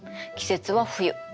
季節は冬。